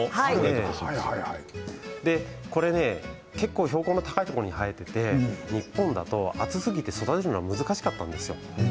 結構、標高の高いところに生えていて、日本だと暑すぎて育てるのが難しかったんです。